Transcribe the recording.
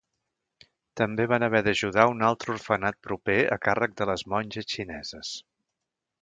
També van haver d'ajudar a un altre orfenat proper a càrrec de les monges xineses.